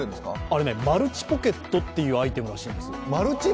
あれね、マルチポケットというアイテムらしいんです。